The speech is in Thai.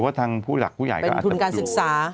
ว่าทางผู้บุริษัทผู้ใหญ่ก็อาจจะโดยเป็นทุนการศึกษา